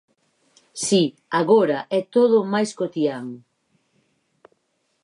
Si, agora é todo máis cotián.